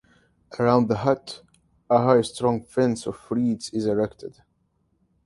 Around the hut a high strong fence of reeds is erected.